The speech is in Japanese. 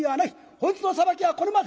本日の裁きはこれまで。